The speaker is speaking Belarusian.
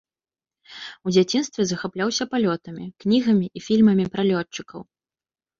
У дзяцінстве захапляўся палётамі, кнігамі і фільмамі пра лётчыкаў.